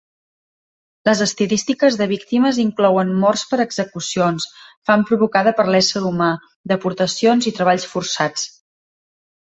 Les estadístiques de víctimes inclouen morts per execucions, fam provocada per l'ésser humà, deportacions i treballs forçats.